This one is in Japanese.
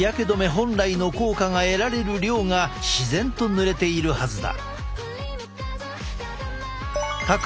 本来の効果が得られる量が自然と塗れているはずだ。